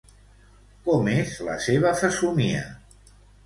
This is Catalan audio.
Com és la seva fesomia?